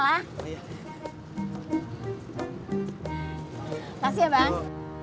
terima kasih ya bang